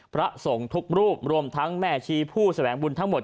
พระสงฆ์ทุกรูปรวมทั้งแม่ชีผู้แสวงบุญทั้งหมด